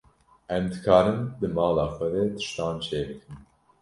Em dikarin di mala xwe de tiştan çêbikin.